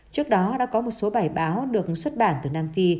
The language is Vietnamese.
trước đó đã có một số bài báo được xuất bản từ nam phi